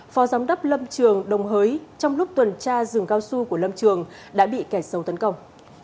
phó giám đốc lâm trường đồng hới trong lúc tuần tra rừng cao su của lâm trường đã bị kẻ sâu tấn công